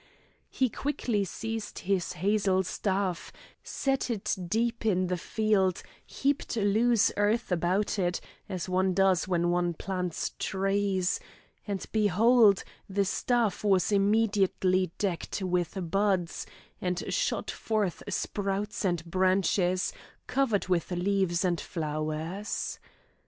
He quickly seized his hazel staff, set it deep in the field, heaped loose earth about it, as one does when one plants trees, and behold, the staff was immediately decked with buds, and shot forth sprouts and branches covered with leaves and flowers.